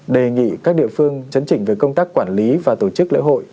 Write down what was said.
đề nghị các địa phương chấn chỉnh về công tác quản lý và tổ chức lễ hội